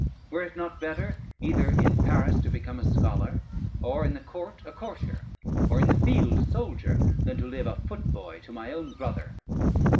were it not better either in Paris to become a scholar, or in the court a courtier, or in the field a soldier, than to live a foot boy to my own brother?